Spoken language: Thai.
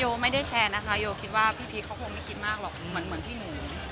โอไม่ได้แชร์นะคะโยคิดว่าพี่พีชเขาคงไม่คิดมากหรอกเหมือนพี่หนู